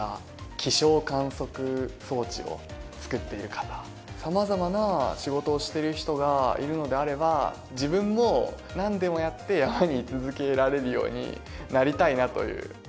気象観測装置を作っている方様々な仕事をしている人がいるのであれば自分もなんでもやって山に居続けられるようになりたいなという。